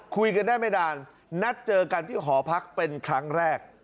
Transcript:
คุยกันได้ไม่นานนัดเจอกันที่หอพักเป็นครั้งแรก